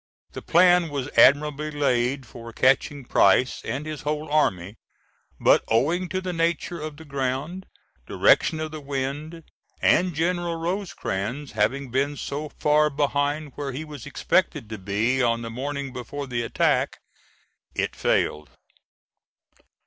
The plan was admirably laid for catching Price and his whole army, but owing to the nature of the ground, direction of the wind, and General Rosecrans having been so far behind where he was expected to be on the morning before the attack, it failed.